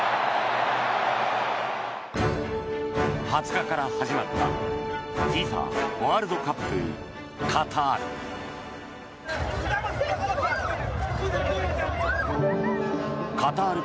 ２０日から始まったＦＩＦＡワールドカップカタール。